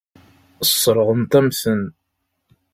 Sseṛɣent-am-ten.